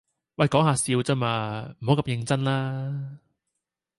喂講吓笑咋嘛，唔好咁認真啦